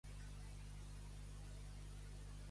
La truitada d'en Verges: farina només.